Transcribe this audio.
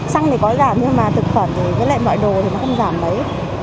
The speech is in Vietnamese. xăng thì có giảm nhưng mà thực phẩm thì cái loại đồ thì nó không giảm đấy